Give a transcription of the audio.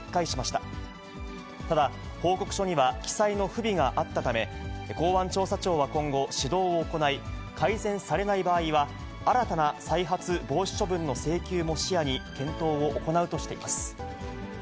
ただ、報告書には記載の不備があったため、公安調査庁は今後、指導を行い、改善されない場合は、新たな再発防止処分の請求も視野に、検討を行うとしています。